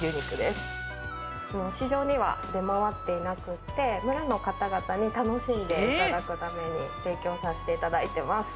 市場には出回っていなくって村の方々に楽しんでいただくために提供させていただいてます